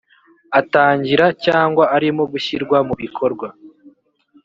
atangira cyangwa arimo gushyirwa mubikorwa